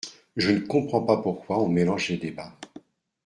Je ne comprends pas pourquoi on mélange les débats.